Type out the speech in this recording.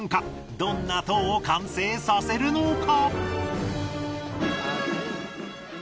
どんな塔を完成させるのか。